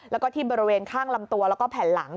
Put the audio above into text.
แล้วก็ที่บริเวณข้างลำตัวแล้วก็แผ่นหลัง